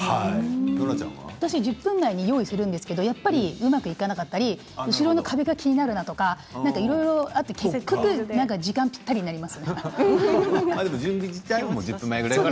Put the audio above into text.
私は１０分前に用意するんですけどうまくいかなかったり後ろの壁が気になるとかいろいろあって結局時間ぴったりになります。